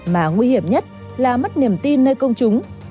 mà nguy hiểm nhất là mất niềm tin nơi công chúng